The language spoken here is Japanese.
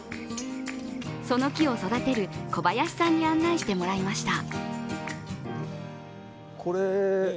その木を育てる小林さんに案内してもらいました。